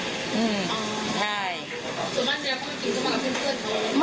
ส่วนมากเดียวเขากินก็มากับเพื่อนเค้าหรือเปล่า